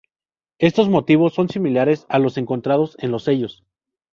Estos motivos son similares a los encontrados en los sellos.